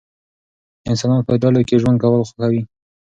انسانان په ډلو کې ژوند کول خوښوي.